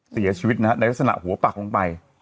เสียชีวิตนะฮะในลักษณะหัวปักลงไป